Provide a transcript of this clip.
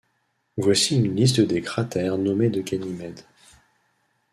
Voici une liste des cratères nommés de Ganymède.